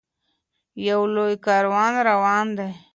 یو لوی کاروان روان دی.